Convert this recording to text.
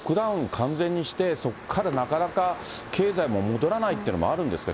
完全にして、そこからなかなか経済も戻らないってのもあるんですか？